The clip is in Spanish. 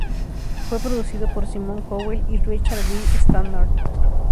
Fue producido por Simon Cowell y Richard "Biff" Stannard.